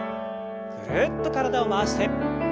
ぐるっと体を回して。